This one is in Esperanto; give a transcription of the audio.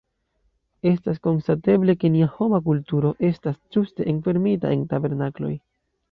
Estas konstateble, ke nia homa kulturo estas ĝuste enfermita en tabernakloj.